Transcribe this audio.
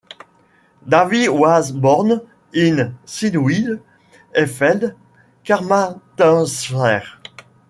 Davies was born in Cynwyl Elfed, Carmarthenshire.